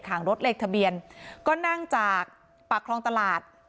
งรถเลขทะเบียนก็นั่งจากปากคลองตลาด